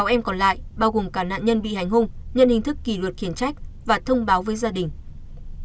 sáu em còn lại bao gồm cả nạn nhân bị hành hung nhận hình thức kỷ luật khiển trách và thông báo với gia đình